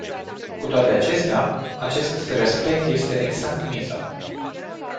Cu toate acestea, acest respect este exact miza.